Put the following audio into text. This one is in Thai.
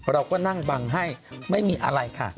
เราก็นั่งบังให้ไม่มีอะไรค่ะ